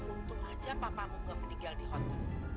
untung aja papa mau nggak meninggal di hotel